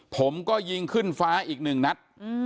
ผมก็ยิงขึ้นฟ้าอีกหนึ่งนัด